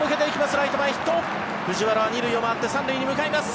ライト前ヒット藤原は２塁を回って３塁に向かいます。